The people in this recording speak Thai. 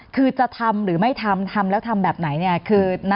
คือจะทำหรือไม่ทำทำแล้วทำแบบไหนเนี่ย